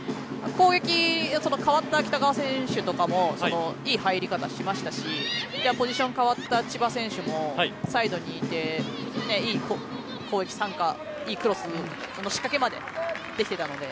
攻撃、変わった北川選手とかもいい入り方しましたしポジション変わった千葉選手もサイドにいっていい攻撃参加いいクロスの仕掛けまでできていたので。